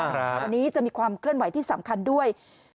วันนี้จะมีความเคลื่อนไหวที่สำคัญด้วย